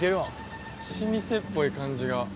老舗っぽい、感じが。